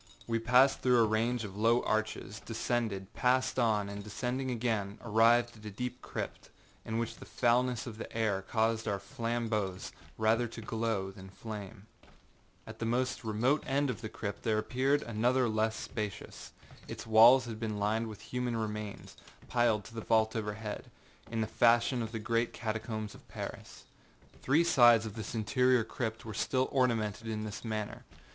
We passed through a range of low arches, descended, passed on, and descending again, arrived at a deep crypt, in which the foulness of the air caused our flambeaux rather to glow than flame. At the most remote end of the crypt there appeared another less spacious. Its walls had been lined with human remains, piled to the vault overhead, in the fashion of the great catacombs of Paris. Three sides of this interior crypt were still ornamented in this manner.